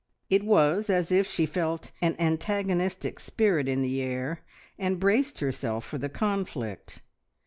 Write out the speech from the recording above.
It was as if she felt an antagonistic spirit in the air, and braced herself for the conflict.